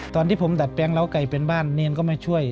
ตอนที่ผมดัดแปลงเล้าไก่เป็นบ้านเนรก็มาช่วย